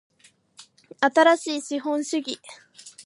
新しい資本主義